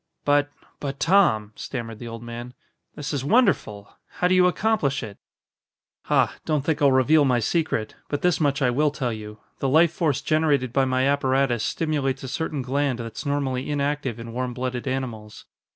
"But but, Tom," stammered the old man, "this is wonderful. How do you accomplish it?" "Ha! Don't think I'll reveal my secret. But this much I will tell you: the life force generated by my apparatus stimulates a certain gland that's normally inactive in warm blooded animals.